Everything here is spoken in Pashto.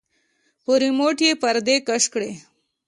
په رېموټ يې پردې کش کړې.